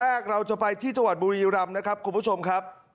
แรกเราจะไปที่จังหวัดบุรีรำนะครับคุณผู้ชมครับ